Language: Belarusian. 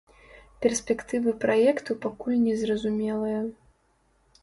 Перспектывы праекту пакуль незразумелыя.